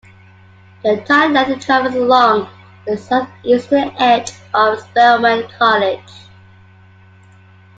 The entire length travels along the southeastern edge of Spelman College.